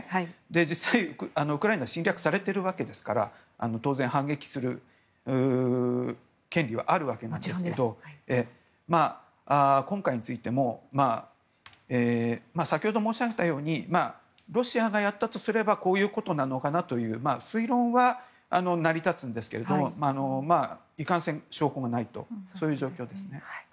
実際、ウクライナは侵略されているわけですから当然、反撃する権利はあるわけですが今回についても先ほど申し上げたようにロシアがやったとすればこういうことなのかなという推論は成り立つんですけどもいかんせん証拠がないとそういう状況ですね。